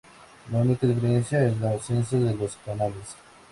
La única diferencia es la ausencia de los canales.